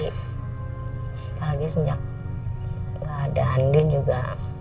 sekali lagi sejak gak ada andin juga